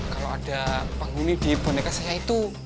kalau ada penghuni di boneka saya itu